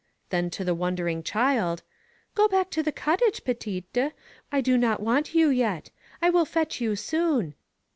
*' Then to the wondering child, "Go back to the cottage^ petiU, I do not want you yet. I will fetch you soon.